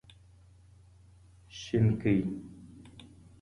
شينکۍ